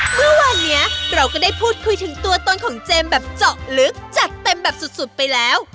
เมื่อวานนี้เราก็ได้พูดคุยถึงตัวตนของเจมส์แบบเจาะลึกจัดเต็มแบบสุดไปแล้ว